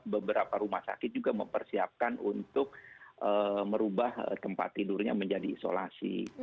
beberapa rumah sakit juga mempersiapkan untuk merubah tempat tidurnya menjadi isolasi